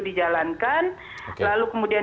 dijalankan lalu kemudian